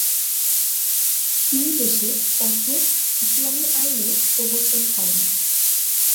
তিনি দেশে কঠোর ইসলামী আইনের প্রবর্তন করেন।